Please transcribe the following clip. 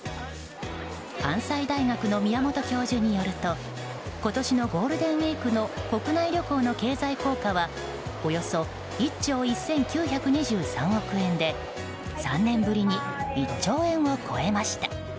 関西大学の宮本教授によると今年のゴールデンウィークの国内旅行の経済効果はおよそ１兆１９２３億円で３年ぶりに１兆円を超えました。